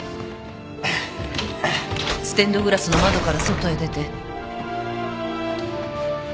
ステンドグラスの窓から外へ出て。